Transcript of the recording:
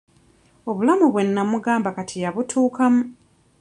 Obulamu bwe nnamugamba kati yabutuukamu.